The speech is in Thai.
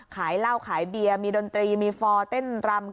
ขายเหล้าขายเบียร์มีดนตรีมีฟอร์เต้นรำ